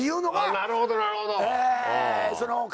なるほどなるほど！